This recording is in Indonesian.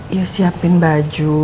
ya siapin baju